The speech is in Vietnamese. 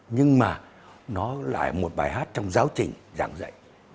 nhưng mà nó lại một bài hát trong giáo trình giảng dạy